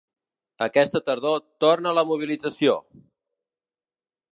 Aquesta tardor torna la mobilització!